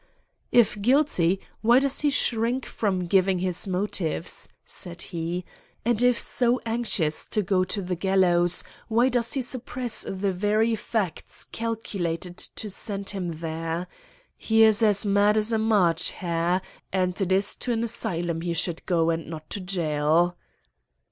"If guilty, why does he shrink from giving his motives," said he, "and if so anxious to go to the gallows, why does he suppress the very facts calculated to send him there? He is as mad as a March hare, and it is to an asylum he should go and not to a jail."